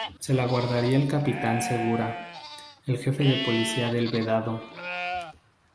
Se la guardaría el capitán Segura, el jefe de policía del Vedado.